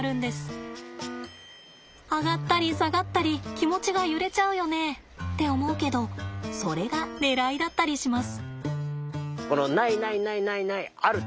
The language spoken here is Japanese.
上がったり下がったり気持ちが揺れちゃうよねって思うけどそれがねらいだったりします。